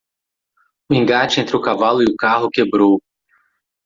O engate entre o cavalo e o carro quebrou.